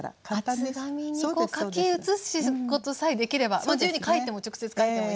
厚紙に描き写すことさえできれば自由に描いても直接描いてもいいし。